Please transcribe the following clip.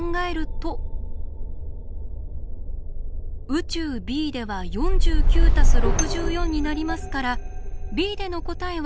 宇宙Ｂでは４９＋６４になりますからＢでの答えは１１３。